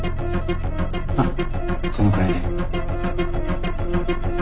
まあそのくらいで。